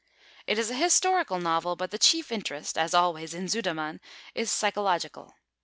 It is a historical novel, but the chief interest, as always in Sudermann, is psychological.